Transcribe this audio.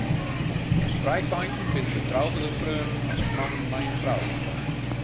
Frijfeinten binne betrouberder freonen as mannen mei in frou.